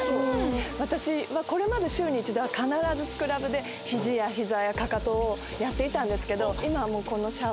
私はこれまで週に１度は必ずスクラブで肘や膝やかかとをやっていたんですけど。